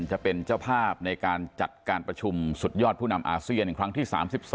จะเป็นเจ้าภาพในการจัดการประชุมสุดยอดผู้นำอาเซียนครั้งที่๓๒